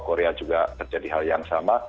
korea juga terjadi hal yang sama